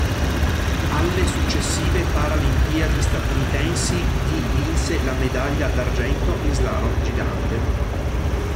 Alle successive Paralimpiadi statunitensi di vinse la medaglia d'argento in slalom gigante.